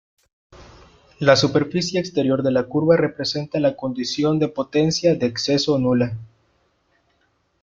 La superficie exterior de la curva representa la condición de potencia de exceso nula".